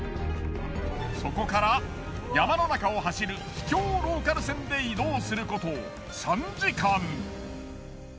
そこから山の中を走る秘境ローカル線で移動すること３時間。